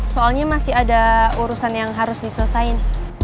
soalnya masih ada urusan yang harus diselesaikan